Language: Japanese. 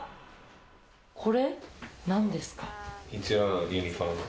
これ、なんですか？